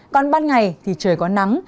còn ban ngày thì trời có nắng